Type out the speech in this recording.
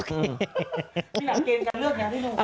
นี่หลักเกณฑ์การเลือกไงพี่หนุ่ม